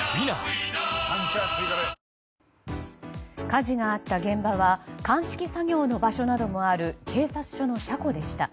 火事があった現場は鑑識作業の場所などもある警察署の車庫でした。